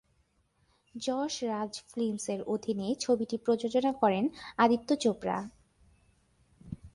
যশ রাজ ফিল্মসের অধীনে ছবিটি প্রযোজনা করেন আদিত্য চোপড়া।